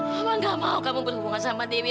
mama gak mau kamu berhubungan sama dewi